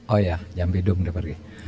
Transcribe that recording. oh iya jam bidung udah pergi